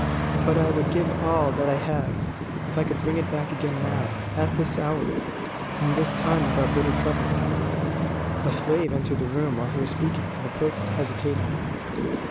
But I would give all that I have, if I could bring it back again now, at this hour, in this time of our bitter trouble." A slave entered the room while he was speaking, and approached hesitatingly.